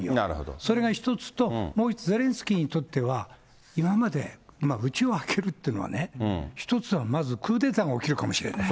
それが一つと、もう一つ、ゼレンスキーにとっては、今までうちを空けるっていうのは、一つはまず、クーデターが起きるかもしれない。